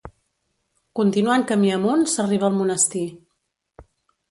Continuant camí amunt, s'arriba al monestir.